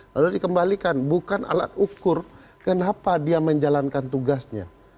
lalu dikembalikan bukan alat ukur kenapa dia menjalankan tugasnya